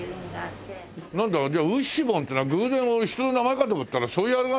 なんだじゃあウイッシュボンっていうのは偶然俺人の名前かと思ったらそういうあれなんだ。